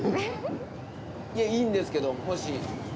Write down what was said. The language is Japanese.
いやいいんですけどもし。